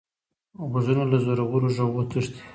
غوږونه له زوره غږو تښتي